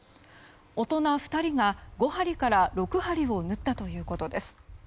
大人２人が５針から６針を縫ったということです。